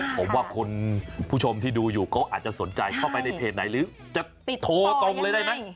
ผมว่าคุณผู้ชมที่ดูอยู่เขาอาจจะสนใจเข้าไปในเพจไหนหรือจะโทรตรงเลยได้ไหม